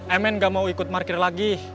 emen gak mau ikut parkir lagi